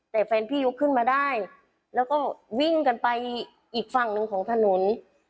แต่แฟนพี่ลุกขึ้นมาได้แล้วก็วิ่งกันไปอีกฝั่งหนึ่งของถนน